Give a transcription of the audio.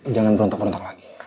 jangan berontak berontak lagi